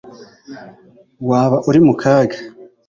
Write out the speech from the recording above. Waba uri mu kaga